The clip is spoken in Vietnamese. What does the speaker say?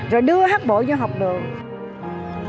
rồi đưa hát bội vô học đường